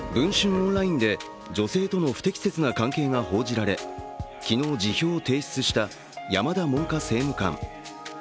オンラインで女性との不適切な関係が報じられ、昨日、辞表を停止油津した山田文科政務官。